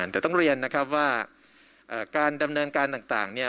แต่ต้องเรียนนะครับว่าการดำเนินการต่างเนี่ย